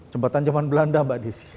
jembatan zaman belanda mbak desi